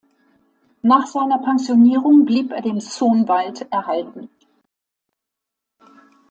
Nach seiner Pensionierung blieb er dem Soonwald erhalten.